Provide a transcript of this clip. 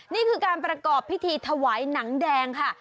นี่คือการประกอบพิธีถวายหนังแดงค่ะ